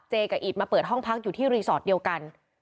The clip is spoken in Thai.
กับอิตมาเปิดห้องพักอยู่ที่รีสอร์ทเดียวกัน